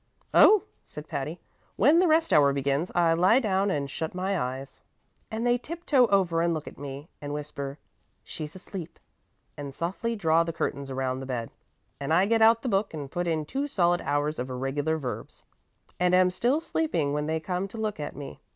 "Oh," said Patty, "when the rest hour begins I lie down and shut my eyes, and they tiptoe over and look at me, and whisper, 'She's asleep,' and softly draw the curtains around the bed; and I get out the book and put in two solid hours of irregular verbs, and am still sleeping when they come to look at me.